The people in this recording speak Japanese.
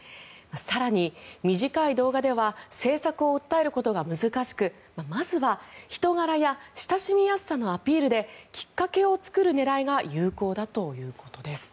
更に、短い動画では政策を訴えることが難しくまずは人柄や親しみやすさのアピールできっかけを作る狙いが有効だということです。